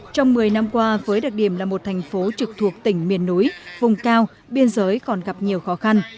trong một mươi năm qua với đặc điểm là một thành phố trực thuộc tỉnh miền núi vùng cao biên giới còn gặp nhiều khó khăn